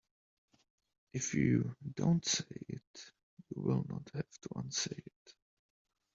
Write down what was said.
If you don't say it you will not have to unsay it.